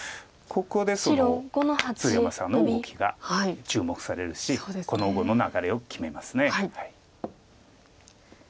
ここで鶴山さんの動きが注目されるしこの碁の流れを決めます。